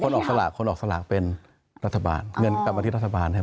ออกสลากคนออกสลากเป็นรัฐบาลเงินกลับมาที่รัฐบาลเนี่ย